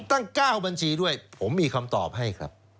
ตั้ง๙บัญชีด้วยผมมีคำตอบให้ครับ